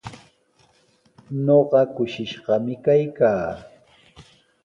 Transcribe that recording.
Ñuqa kushishqami kaykaa.